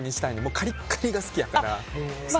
カリッカリが好きやから。